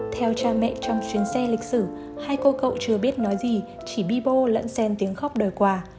theo cha mẹ trong chuyến xe lịch sử hai cô cậu chưa biết nói gì chỉ bi bô lẫn sen tiếng khóc đòi quà